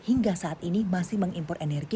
hingga saat ini masih mengimpor energi